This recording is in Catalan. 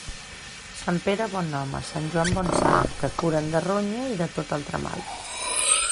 Sant Pere bon home, Sant Joan bon sant, que curen de ronya i de tot altre mal.